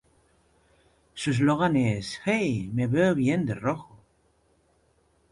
Su eslogan es "¡Hey, me veo bien de rojo!".